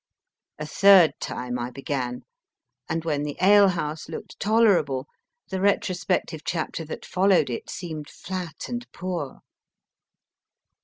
A third time I began, and when the alehouse looked tolerable the retrospective chapter that followed it seemed flat and poor.